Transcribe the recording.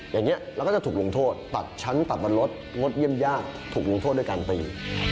อย่างนี้เราก็จะถูกลงโทษตัดชั้นตัดมันลดงดเยี่ยมยากถูกลงโทษด้วยการตี